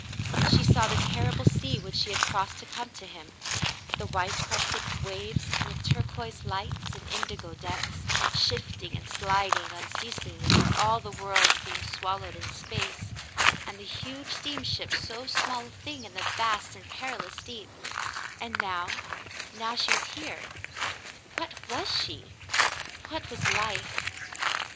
She saw the terrible sea which she had crossec^to come to him — the white crested waves, with turquoise lights and indigo depths, shifting and sliding unceasingly where all the world seemed swallowed in space, and the huge steamship so small a thing in the vast and perilous deep; and now — now she was here. What was she ? What was life